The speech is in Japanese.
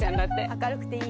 明るくていい。